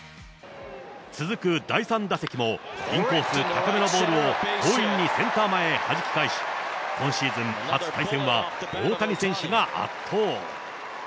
続く第３打席も、インコース高めのボールを強引にセンター前にはじき返し、今シーズン初対戦は大谷選手が圧倒。